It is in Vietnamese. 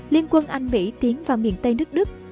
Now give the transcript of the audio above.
liên quân anh mỹ tiến vào miền tây nước đức